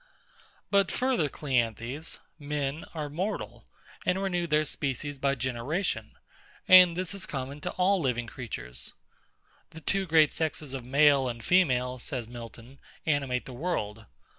But further, CLEANTHES: men are mortal, and renew their species by generation; and this is common to all living creatures. The two great sexes of male and female, says MILTON, animate the world.